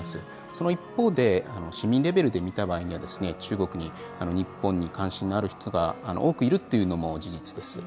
その一方で、市民レベルで見た場合には中国に、日本に関心がある人が多くいるというのも事実です。